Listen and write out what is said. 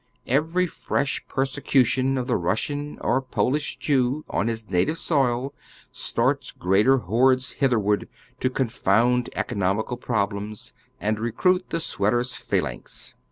Every fresh persecution of the Russian or Polish Jew on his native soil starts greater liordes hitlierward to con found economical problems, and recruit the sweater's pha lanx.